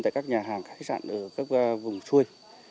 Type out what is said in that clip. tại các nhà hàng khách sạn ở các vùng xuôi